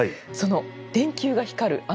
その電球が光る